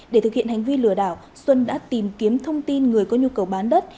để thực hiện hành vi lừa đảo xuân đã tìm kiếm thông tin người có nhu cầu bán đất